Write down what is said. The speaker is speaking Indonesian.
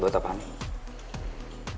buat apa nih